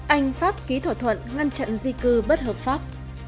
anh pháp ký thỏa thuận ngăn chặn di cư bất hợp pháp